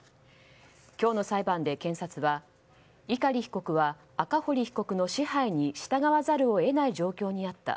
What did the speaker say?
今日の裁判で検察は碇被告は赤堀被告の支配に従わざるを得ない状況にあった